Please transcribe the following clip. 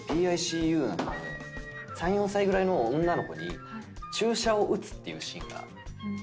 ＰＩＣＵなので３４歳ぐらいの女の子に注射を打つっていうシーンがあって。